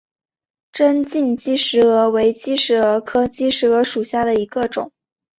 针茎姬石蛾为姬石蛾科姬石蛾属下的一个种。